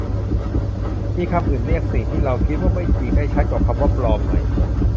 มีคำอื่นเรียกสิ่งที่เราคิดว่าไม่จริงได้ชัดกว่าคำว่า ปลอม ไหม